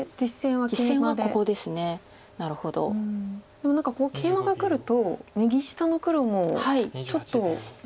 でも何かここケイマがくると右下の黒もちょっと弱い石に。